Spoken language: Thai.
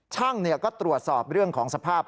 ช่างก็ตรวจสอบเรื่องของสภาพ